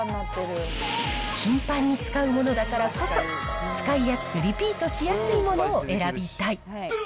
頻繁に使うものだからこそ、使いやすくリピートしやすいものを選びたい。